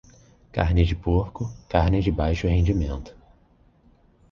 Carne de porco, carne de baixo rendimento.